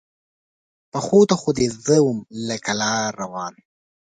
پښو ته خو دې زه وم لکه لار روان